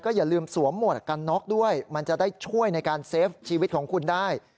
อย่าลืมสวมหมวกกันน็อกด้วยมันจะได้ช่วยในการเซฟชีวิตของคุณได้